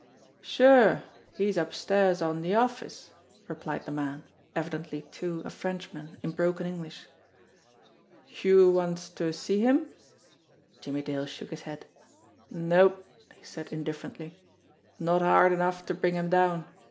"Sure! He's upstairs on de office," replied the man, evi 274 JIMMIE DALE AND THE PHANTOM CLUE dently, too, a Frenchman, in broken English. "You want to see him?" Jimmie Dale shook his head. "Nope !" he said indifferently. "Not hard enough to bring him down.